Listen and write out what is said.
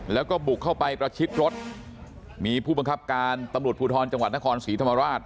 แล้วก็บุกเข้าไปประชิดรถมีผู้บังคับการตำรวจภูทรจังหวัดนครศรีธรรมราช